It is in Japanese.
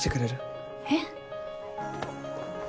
えっ？